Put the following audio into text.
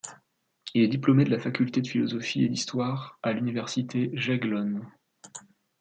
Il est diplômé de la faculté de philosophie et d'histoire à l'Université Jagellonne.